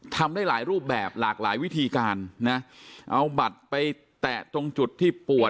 ทำได้หลายรูปแบบหลากหลายวิธีการนะเอาบัตรไปแตะตรงจุดที่ปวด